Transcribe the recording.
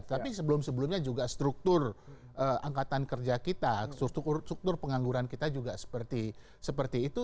tapi sebelum sebelumnya juga struktur angkatan kerja kita struktur pengangguran kita juga seperti itu